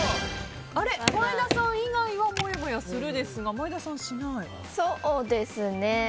前田さん以外はもやもやするですがそうですね。